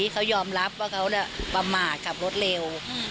เขายอมรับว่าเขาประมาทขับรถเร็ว